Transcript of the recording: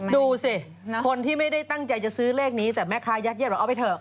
ดูสิคนที่ไม่ได้ตั้งใจจะซื้อเลขนี้แต่แม่ค้ายักษียบอกเอาไปเถอะ